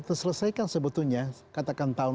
terselesaikan sebetulnya katakan tahun